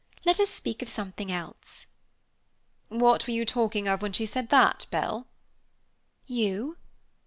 Let us speak of something else.'" "What were you talking of when she said that, Bell?" "You."